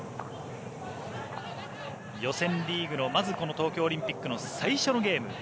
予選リーグの東京オリンピックの最初のゲーム。